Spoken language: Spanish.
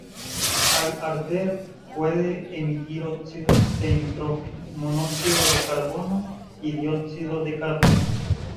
Al arder puede emitir óxidos de nitrógeno, monóxido de carbono y dióxido de carbono.